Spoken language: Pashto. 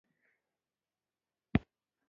چي حملې نه له پردیو وي نه خپلو